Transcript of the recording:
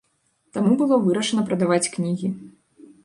Таму было вырашана прадаваць кнігі.